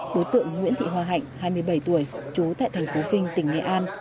đối tượng nguyễn thị hoa hạnh hai mươi bảy tuổi trú tại thành phố vinh tỉnh nghệ an